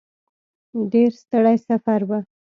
ډېر ستړی سفر و.